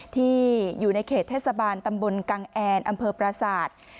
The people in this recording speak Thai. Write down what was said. ที่อยู่ในเขตเทศบาลตำบลกังแอนอำเภอปราศาสตร์